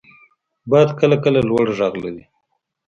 • باد کله کله لوړ ږغ لري.